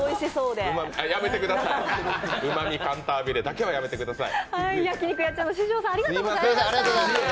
やめてください、うまみカンタービレだけはやめてください。